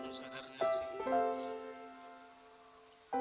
mau sadarnya sih